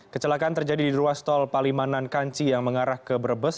kecelakaan terjadi di ruas tol palimanan kanci yang mengarah ke brebes